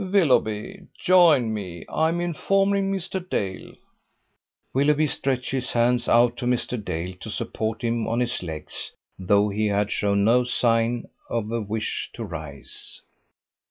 Willoughby, join me. I am informing Mr. Dale ..." Willoughby stretched his hands out to Mr. Dale to support him on his legs, though he had shown no sign of a wish to rise.